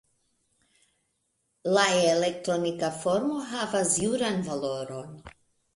La elektronika formo havas juran valoron.